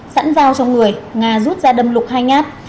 sẵn giao cho người ngà rút ra đâm lục hay nhát